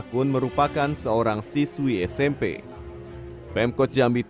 kata kata fir'aun itu masalah pemkot jambi